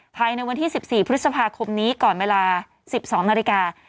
ภายในวันที่๑๔พฤษภาคมนี้ก่อนเวลา๑๒นาฬิกา